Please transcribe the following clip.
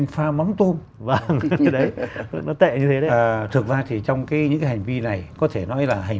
pha mắm tôm vâng nó tệ như thế đấy thực ra thì trong cái những cái hành vi này có thể nói là hành